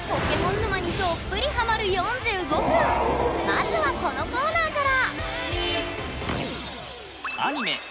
きょうはまずはこのコーナーから！